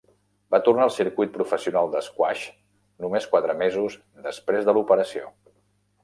Va tornar al circuit professional d'esquaix només quatre mesos després de l'operació.